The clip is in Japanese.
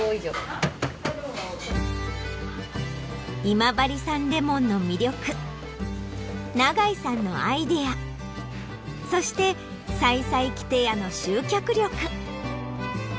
今治産レモンの魅力永井さんのアイデアそしてさいさいきて屋の集客力。